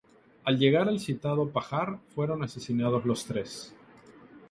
Al llegar al citado pajar fueron asesinados los tres.